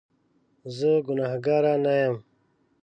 زه ګناکاره نه یم